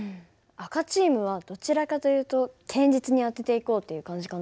赤チームはどちらかというと堅実に当てていこうっていう感じかな。